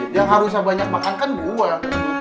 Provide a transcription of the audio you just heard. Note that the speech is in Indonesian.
yang harusnya banyak makan kan buah